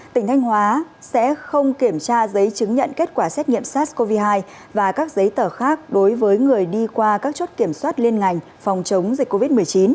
tỉnh thanh hóa sẽ không kiểm tra giấy chứng nhận kết quả xét nghiệm sars cov hai và các giấy tờ khác đối với người đi qua các chốt kiểm soát liên ngành phòng chống dịch covid một mươi chín